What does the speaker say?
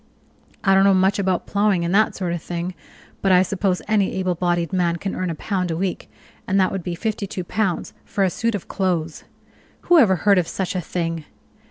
I don't know much about plowing and that sort of thing, but I suppose any able bodied man can earn a pound a week, and that would be fifty two pounds for a suit of clothes. Who ever heard of such a thing!